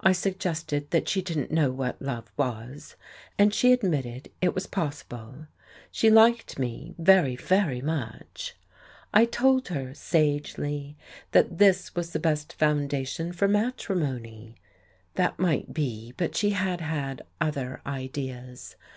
I suggested that she didn't know what love was, and she admitted it was possible: she liked me very, very much. I told her, sagely, that this was the best foundation for matrimony. That might be, but she had had other ideas.